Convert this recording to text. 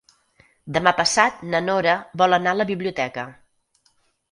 Demà passat na Nora vol anar a la biblioteca.